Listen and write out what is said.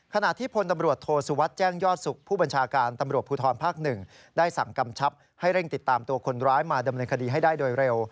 ขณะที่พนธรรมทสคลโทสวัตรแจ้งยอดศึกผู้บัญชาการสคล๑ได้สั่งกำชับให้เร่งติดตามตัวคนร้ายมาดำเนินคดีให้ได้เร็ว